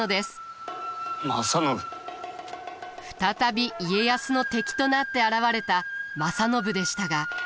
再び家康の敵となって現れた正信でしたが。